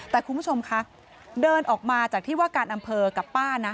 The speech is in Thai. แต่คุณผู้ชมคะเดินออกมาจากที่ว่าการอำเภอกับป้านะ